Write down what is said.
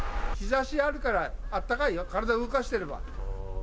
日ざしがあるから、あったかいよ、体動かしてると。